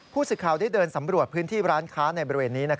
สิทธิ์ข่าวได้เดินสำรวจพื้นที่ร้านค้าในบริเวณนี้